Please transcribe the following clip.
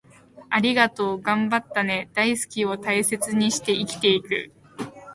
『ありがとう』、『頑張ったね』、『大好き』を大切にして生きていく